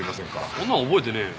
そんなの覚えてねえよ。